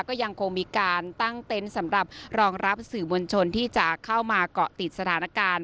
ก็ยังคงมีการตั้งเต็นต์สำหรับรองรับสื่อมวลชนที่จะเข้ามาเกาะติดสถานการณ์